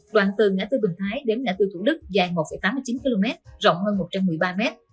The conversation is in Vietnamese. đoạn từ ngã tư bình thái đến ngã tư thủ đức dài một tám mươi chín km rộng hơn một trăm một mươi ba m